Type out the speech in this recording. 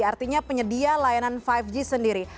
artinya penyedia layanan lima g sendiri